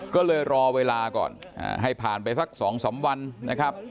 ก็เลยรอเวลาก่อนให้ผ่านไปสัก๒๓วันนะครับ